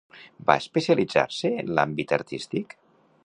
Va especialitzar-se en l'àmbit artístic?